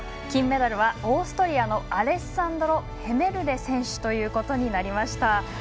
金メダルはオーストリアのアレッサンドロ・ヘメルレ選手となりました。